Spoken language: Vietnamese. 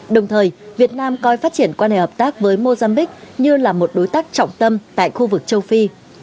đồng thời việt nam coi phát triển quan hệ hợp tác với mozambique như là một đối tác trọng tâm tại khu vực châu phi